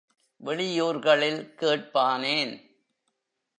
வெளியூர்களில் கேட் பானேன்?